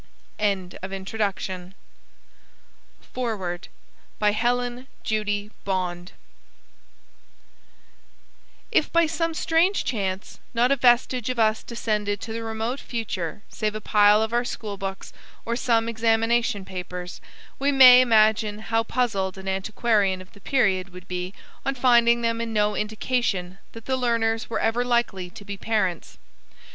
WILLIAM F. BIGELOW Helen Judy Bond Foreword If by some strange chance, not a vestige of us descended to the remote future save a pile of our schoolbooks or some examination papers, we may imagine how puzzled an antiquarian of the period would be on finding in them no indication that the learners were ever likely to be parents.